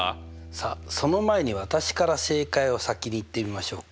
さあその前に私から正解を先に言ってみましょうか。